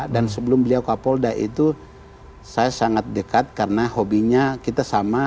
dan sebelum beliau kapolda itu saya sangat dekat karena hobinya kita sama